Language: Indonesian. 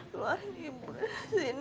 keluarin ibu dari sini